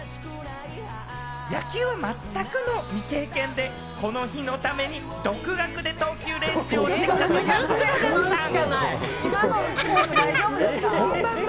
野球は全くの未経験で、この日のために独学で投球練習をしてきたという黒田さん。